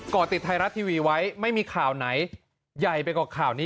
่อติดไทยรัฐทีวีไว้ไม่มีข่าวไหนใหญ่ไปกว่าข่าวนี้